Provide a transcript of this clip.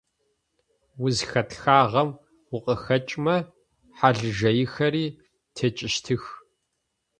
Узхэтхагъэм укъыхэкӏымэ хьалыжыехэри текӏыщтых.